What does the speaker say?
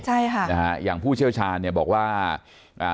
ใช่ค่ะนะฮะอย่างผู้เชี่ยวชาญเนี่ยบอกว่าอ่า